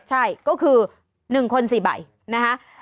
ใช่ก็คือ๑คน๔ใบนะคะ